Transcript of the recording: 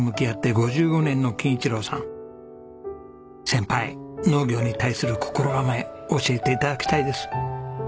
先輩農業に対する心構え教えて頂きたいです。